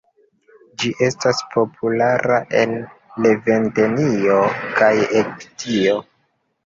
Ĝi estas populara en Levantenio kaj Egiptio.